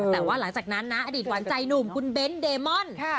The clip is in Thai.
แต่ว่าหลังจากนั้นนะอดีตหวานใจหนุ่มคุณเบ้นเดมอน